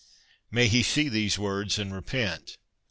May he see these words and repent